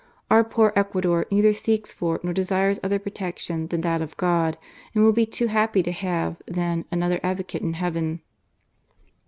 Our poor Ecuador ler seeks for nor desires other protection than that of God, and will be too happj to have, then, another advocate in Heaven."